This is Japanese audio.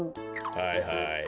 はいはい。